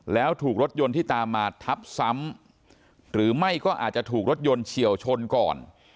แล้วถูกรถยนต์ที่ตามมาทับซ้ำหรือไม่ก็อาจจะถูกรถยนต์เฉียวชนก่อน